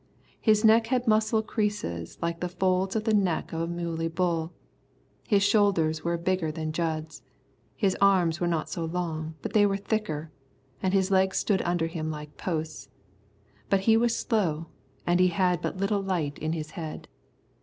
His neck had muscle creases like the folds on the neck of a muley bull. His shoulders were bigger than Jud's. His arms were not so long, but they were thicker, and his legs stood under him like posts. But he was slow, and he had but little light in his head.